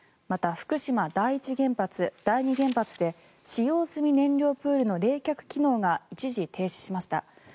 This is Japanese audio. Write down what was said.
また、福島第一原発、第二原発で使用済み燃料プールの冷却機能が一時停止しました。